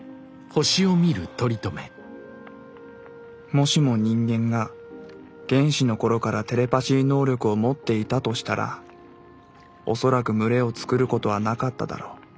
もしも人間が原始の頃からテレパシー能力をもっていたとしたら恐らく群れをつくることはなかっただろう。